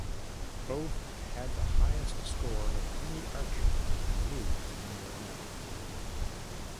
Both had the highest score of any archer to lose in their round.